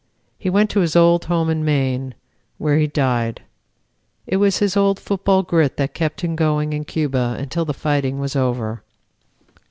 He went to his old home in Maine, where he died. It was his old football grit that kept him going in Cuba until the fighting was over.